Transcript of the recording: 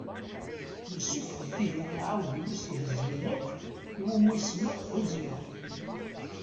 Yessufeɣ-d ihi aεudiw-is ihezlen akk iwumi isemma Rusinant